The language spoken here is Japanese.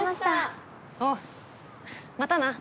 おうまたな。